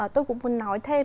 tôi cũng muốn nói thêm